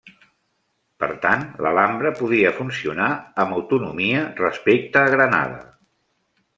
Per tant, l'Alhambra podia funcionar amb autonomia respecte a Granada.